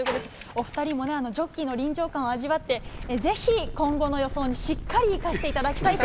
お２人もジョッキーの臨場感を味わって、ぜひ今後の予想にしっかり生かしていただきたいと。